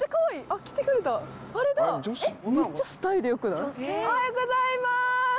おはようございます！